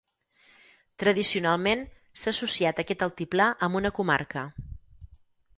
Tradicionalment s'ha associat aquest altiplà amb una comarca.